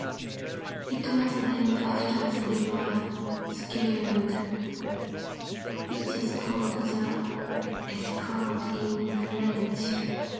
It was named after the river Scheldt, which is called the Escaut in French.